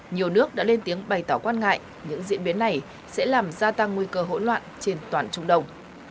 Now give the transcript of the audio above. nhiều nước đã lên tiếng bày tỏ quan ngại những diễn biến này sẽ làm gia tăng nguy cơ hỗn loạn trên toàn trung đông